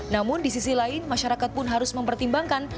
namun di sisi lain masyarakat pun harus mempertimbangkan